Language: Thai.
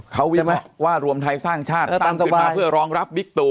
เขาวิเคราะห์ว่ารวมไทยสร้างชาติตั้งขึ้นมาเพื่อรองรับบิ๊กตู่